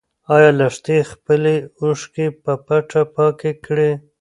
ايا لښتې خپلې اوښکې په پټه پاکې کړې؟